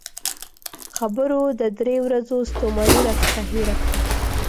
خبرو د درې ورځو ستومانۍ راڅخه هېره کړه.